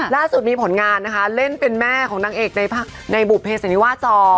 ล่าสุดมีผลงานนะคะเล่นเป็นแม่ของนางเอกในบุเภสันนิวาจอ